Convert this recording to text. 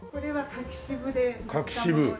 柿渋。